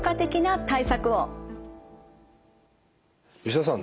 吉田さん